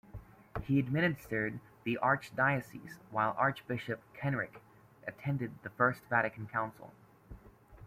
He administered the Archdiocese while Archbishop Kenrick attended the First Vatican Council.